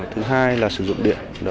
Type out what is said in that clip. thứ hai là sử dụng xe đạp điện